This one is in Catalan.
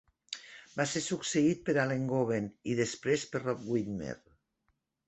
Va ser succeït per Allen Goben i, després, per Rob Widmer.